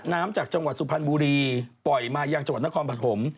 น้ำจากจังหวัดสุพรรณบุรีปล่อยมายังจังหวัดนครปฐม